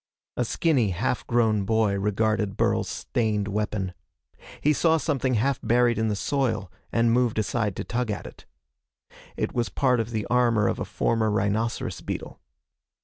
A skinny, half grown boy regarded Burl's stained weapon. He saw something half buried in the soil and moved aside to tug at it. It was part of the armor of a former rhinoceros beetle.